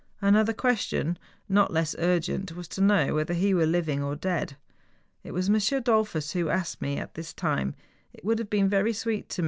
Another question, not less urgent, was to know whether he were living or dead. It was M. Dollfus who asked this time. It would have been very sweet to me.